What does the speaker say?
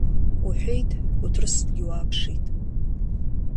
Уҳәеит, уҭрысынгьы уааԥшит.